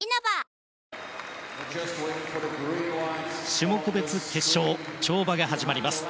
種目別決勝跳馬が始まります。